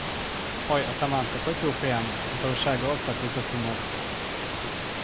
– Ой, атаман, какой ты упрямый, – не повышая голоса, ответил Тимур.